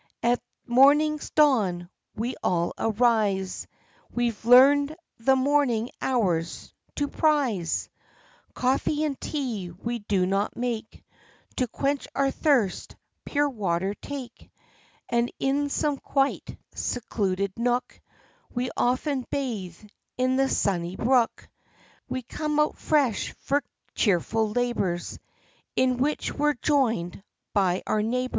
At morning's dawn, we all arise, — We've learned the morning hours to prize, Coffee and tea we do not make ; To quench our thirst, pure water take ; And, in some quite secluded nook, We often bathe in the sunny brook. We come out fresh for cheerful labors, In which we're joined by our neighbors.